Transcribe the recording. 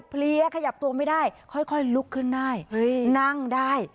เพลียขยับตัวไม่ได้ค่อยลุกขึ้นได้นั่งได้